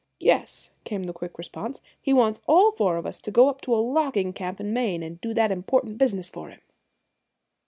"Yes," came the quick response; "he wants all four of us to go up to a logging camp in Maine and do that important business for him!"